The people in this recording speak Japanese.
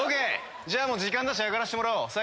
じゃあもう時間だし上がらしてもらおう。